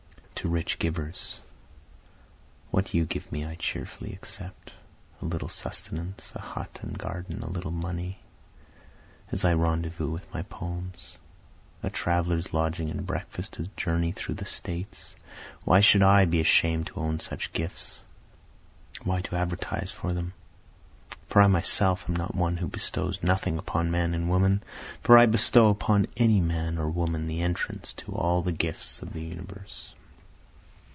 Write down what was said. To Rich Givers What you give me I cheerfully accept, A little sustenance, a hut and garden, a little money, as I rendezvous with my poems, A traveler's lodging and breakfast as journey through the States, why should I be ashamed to own such gifts? why to advertise for them? For I myself am not one who bestows nothing upon man and woman, For I bestow upon any man or woman the entrance to all the gifts of the universe.